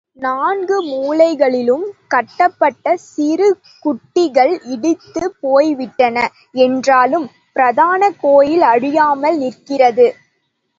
நான்கு மூலைகளிலும் கட்டப்பட்ட சிறு குடில்கள் இடிந்து போய் விட்டன என்றாலும், பிரதான கோயில் அழியாமல் நிற்கிறது.